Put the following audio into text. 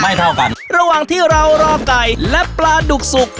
เท่ากันระหว่างที่เรารอไก่และปลาดุกสุก